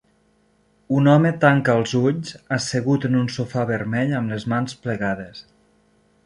Un home tanca els ulls, assegut en un sofà vermell amb les mans plegades.